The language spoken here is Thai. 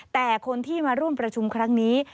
แต่คนที่มาร่วมประชุมครั้งนี้